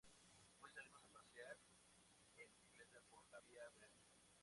Hoy salimos a pasear en bicicleta por la vía verde